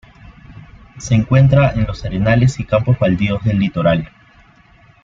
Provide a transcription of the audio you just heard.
Se encuentra en los arenales y campos baldíos del litoral.